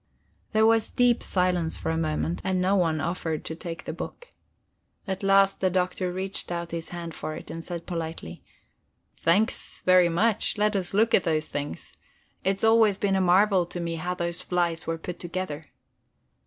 There was deep silence for a moment, and no one offered to take the book. At last the Doctor reached out his hand for it and said politely: "Thanks very much; let us look at the things. It's always been a marvel to me how those flies were put together."